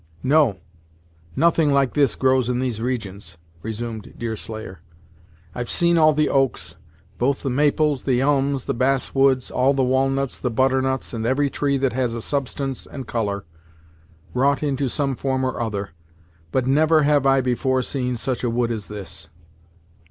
"No nothing like this grows in these regions," resumed Deerslayer. "I've seen all the oaks, both the maples, the elms, the bass woods, all the walnuts, the butternuts, and every tree that has a substance and colour, wrought into some form or other, but never have I before seen such a wood as this!